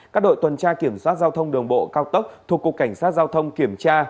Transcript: các đội tuần tra kiểm soát giao thông đường bộ cao tốc thuộc cục cảnh sát giao thông kiểm tra